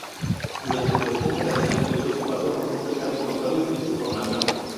Durante su extensa carrera, el grupo pasó por muchos cambios notorios en su formación.